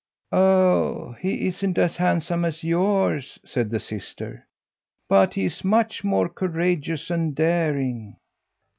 "Oh, he isn't as handsome as yours," said the sister, "but he's much more courageous and daring!"